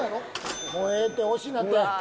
もうええって押しなって。